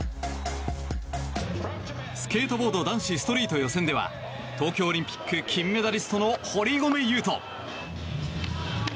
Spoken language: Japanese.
スケートボード男子ストリート予選では東京オリンピック金メダリストの堀米雄斗。